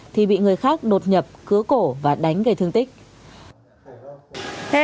thì bị người khác đột nhập cưới cổ và đánh gây thương tích